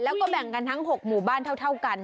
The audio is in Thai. แล้วก็แบ่งกันทั้ง๖หมู่บ้านเท่ากัน